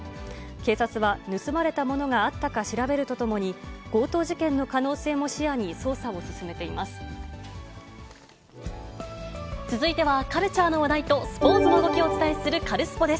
警察は、盗まれたものがあったか調べるとともに、強盗事件の可能性も視野続いては、カルチャーの話題とスポーツの動きをお伝えするカルスポっ！です。